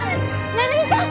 成美さん！